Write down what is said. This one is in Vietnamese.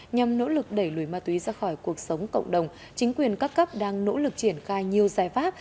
nhằm nỗ lực đẩy lùi ma túy ra khỏi cuộc sống cộng đồng chính quyền các cấp đang nỗ lực triển khai nhiều giải pháp